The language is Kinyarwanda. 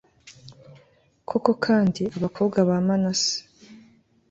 koko kandi, abakobwa ba manase